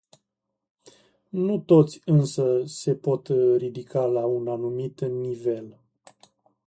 Nu toți însă se pot ridica la un anumit nivel.